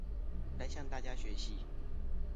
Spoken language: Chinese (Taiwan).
來向大家學習